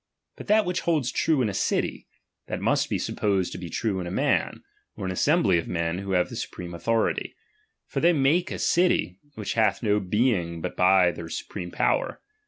But that which holds true in a city, that must be supposed to be tme in a man, or an assembly of men who have the supreme authority ; for they make a city, which hath no being but by their supreme power.